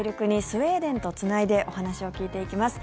スウェーデンとつないでお話を聞いていきます。